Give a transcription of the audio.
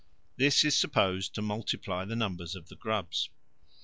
This is supposed to multiply the numbers of the grubs.